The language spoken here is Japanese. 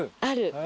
ある。